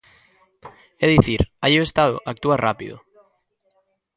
É dicir, aí o Estado actúa rápido.